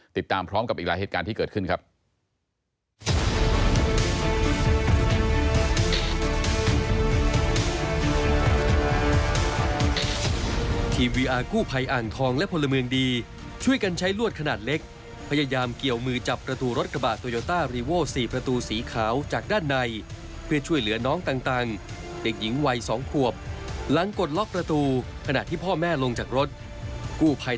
ติดตามพร้อมกับอีกหลายเหตุการณ์ที่เกิดขึ้นครับ